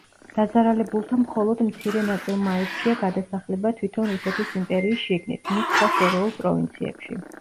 დაზარალებულთა მხოლოდ მცირე ნაწილმა არჩია გადასახლება თვითონ რუსეთის იმპერიის შიგნით, მის სხვა შორეულ პროვინციებში.